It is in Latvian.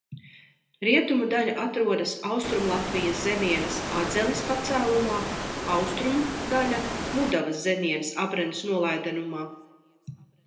Rietumu daļa atrodas Austrumlatvijas zemienes Adzeles pacēlumā, austrumu daļa – Mudavas zemienes Abrenes nolaidenumā.